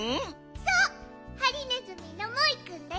そうハリネズミのモイくんだよ！